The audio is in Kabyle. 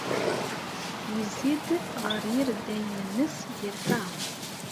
Yezzi-d ɣer yireddayen-nnes, yerfa.